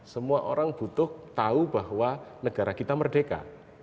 semua orang butuh tahu bahwa negara kita merdeka